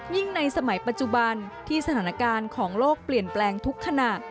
ในสมัยปัจจุบันที่สถานการณ์ของโลกเปลี่ยนแปลงทุกขณะ